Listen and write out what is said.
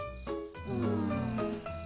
うん。